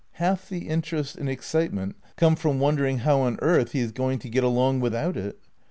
Half the interest and excitement come from wondering how on earth he is going to get along with out it.